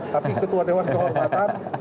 tapi ketua dewan kehormatan